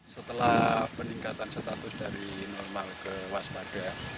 setelah peningkatan status dari normal ke waspada